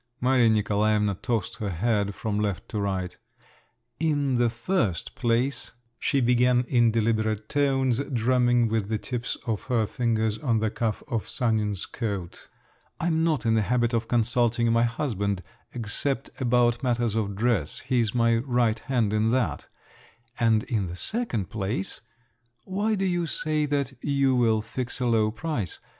Maria Nikolaevna tossed her head from left to right. "In the first place," she began in deliberate tones, drumming with the tips of her fingers on the cuff of Sanin's coat, "I am not in the habit of consulting my husband, except about matters of dress—he's my right hand in that; and in the second place, why do you say that you will fix a low price?